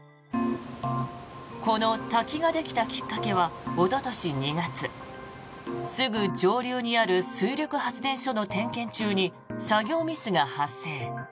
この滝ができたきっかけはおととし２月すぐ上流にある水力発電所の点検中に作業ミスが発生。